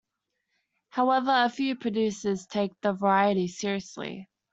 However a few producers take the variety seriously.